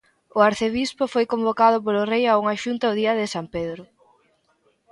O arcebispo foi convocado polo rei a unha xunta o día de San Pedro.